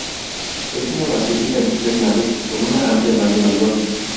Es una basílica de tres naves con una amplia nave mayor.